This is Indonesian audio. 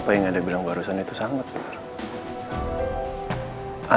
apa yang ada bilang barusan itu sangat benar